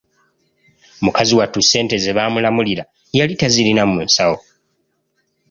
Mukazi wattu ssente ze baamulamulira yali tazirina mu nsawo.